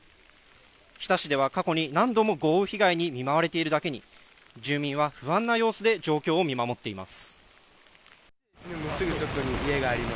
日田市では過去に何度も豪雨被害に見舞われているだけに、住民は不安な様子で状況を見守っています。